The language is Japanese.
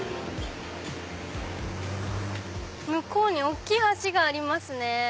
向こうに大きい橋がありますね。